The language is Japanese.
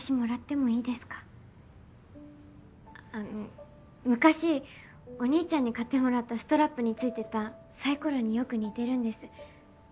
あの昔お兄ちゃんに買ってもらったストラップについてたサイコロによく似てるんです。